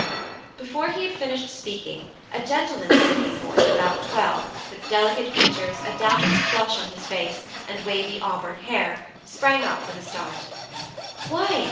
Before he had finished speaking, a gentlemanly looking boy of about twelve, with delicate features, a damask flush on his face, and wavy auburn hair, sprang up with a start. "Why!"